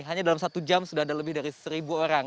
hanya dalam satu jam sudah ada lebih dari seribu orang